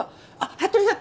服部さん